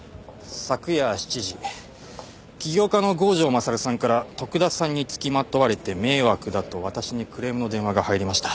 昨夜７時起業家の郷城勝さんから徳田さんに付きまとわれて迷惑だと私にクレームの電話が入りました。